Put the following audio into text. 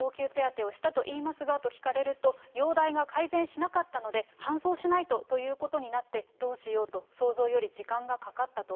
トレーナーなどが応急手当てをしたと言いますがと聞きますと、容体が改善しなかったので搬送しないとということになって、どうしようと、想像より時間がかかったと。